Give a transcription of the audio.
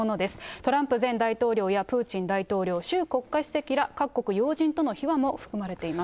トランプ前大統領やプーチン大統領、習国家主席ら各国要人との秘話も含まれています。